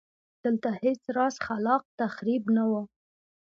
دلته هېڅ راز خلاق تخریب نه و